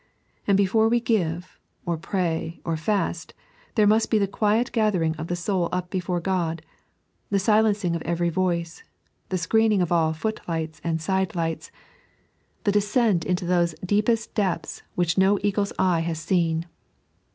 And before we give, or pray, or fast, there must be the quiet gathering of the soul up before God, the silencing of eveiy voice, the screening of all footlights and sidelights, 3.n.iized by Google ALH86ITIN0. 107 the descent into those deepest depths which no eagle's eye has seen.